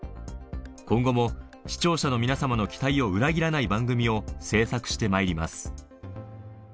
今後も視聴者の皆様の期待を裏切らない番組を制作してまいります。